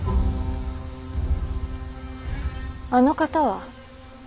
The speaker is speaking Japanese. あの方は。